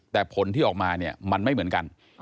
แต่ผลที่ออกมาเนี่ยมันไม่เหมือนกัน